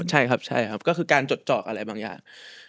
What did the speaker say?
ใช่ครับก็คือการจดเจอกับอะไรบางอย่าง